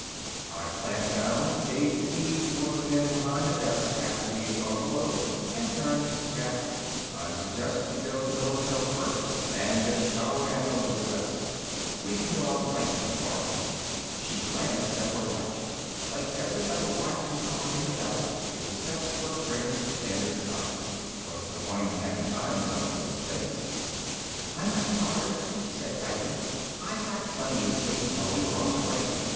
I clamped down, gave the key to one of the men behind the desk after we had gone below, and turned to Jack. "I suggest we go to the hotel first and get a shower and a little rest. We can go out to Viking tomorrow." She glanced at her watch. Like every other watch and clock in the Belt, it was set for Greenwich Standard Time. What's the point in having time zones in space? "I'm not tired," she said brightly. "I got plenty of sleep while we were on the way.